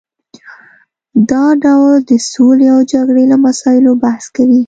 دا ډول د سولې او جګړې له مسایلو بحث کوي